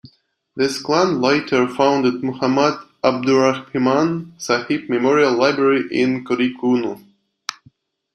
This clan later founded Muhammad Abdurahiman Sahib Memorial Library in Kodikkunnu.